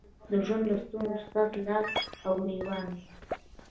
د ژوند له ستونزو سره لاس او ګرېوان دي.